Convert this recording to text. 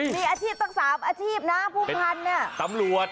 มีอาชีพตั้ง๓อาชีพนะผู้พันธุ์